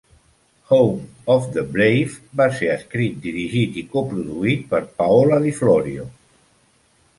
"Home of the Brave" va ser escrit, dirigit i coproduït per Paola di Florio.